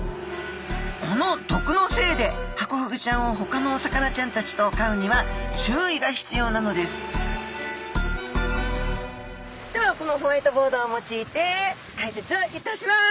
この毒のせいでハコフグちゃんをほかのお魚ちゃんたちと飼うには注意が必要なのですではこのホワイトボードを用いて解説をいたします。